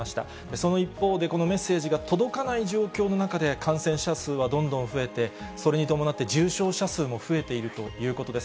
その一方で、このメッセージが届かない状況の中で、感染者数はどんどん増えて、それに伴って重症者数も増えているということです。